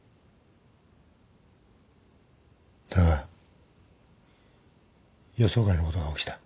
だが予想外のことが起きた。